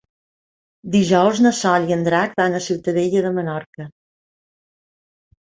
Dijous na Sol i en Drac van a Ciutadella de Menorca.